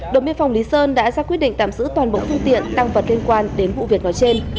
đồng biên phòng lý sơn đã ra quyết định tạm giữ toàn bộ phương tiện tăng vật liên quan đến vụ việc nói trên